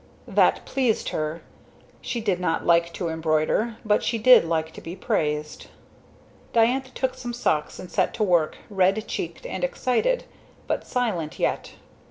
That pleased her. She did not like to embroider, but she did like to be praised. Diantha took some socks and set to work, red checked and excited, but silent yet.